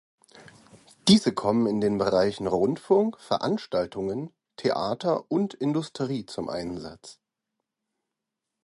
Diese kommen in den Bereichen Rundfunk, Veranstaltungen, Theater und Industrie zum Einsatz.